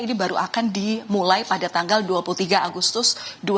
ini baru akan dimulai pada tanggal dua puluh tiga agustus dua ribu dua puluh